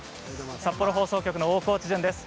札幌放送局の大河内惇です。